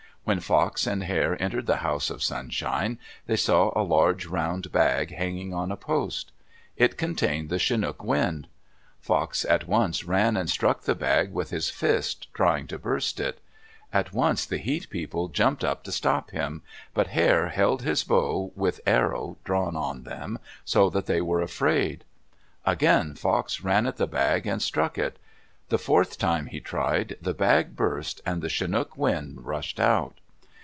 When Fox and Hare entered the House of Sunshine, they saw a large round bag hanging on a post. It contained the chinook wind. Fox at once ran and struck the bag with his fist, trying to burst it. At once the Heat People jumped up to stop him, but Hare held his bow with arrow drawn on them so that they were afraid. Again Fox ran at the bag and struck it. The fourth time he tried, the bag burst and the chinook wind rushed out.